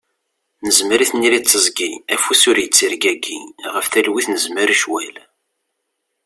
Nezmer i tniri d tiẓgi, afus ur ittergigi, ɣef talwit nezmer i ccwal.